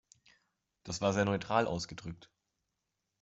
Das war sehr neutral ausgedrückt!